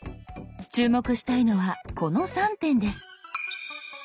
注目したいのはこの３点です。